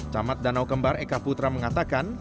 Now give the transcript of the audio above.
camat danau kembar eka putra mengatakan